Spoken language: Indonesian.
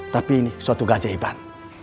tapi ini suatu gajah iban